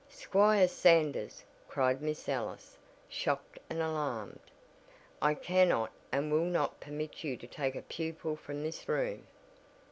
"Squire Sanders!" cried Miss Ellis, shocked and alarmed. "I cannot and will not permit you to take a pupil from this room!"